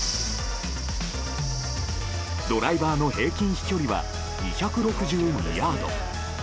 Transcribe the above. ドライバーの平均飛距離は２６２ヤード。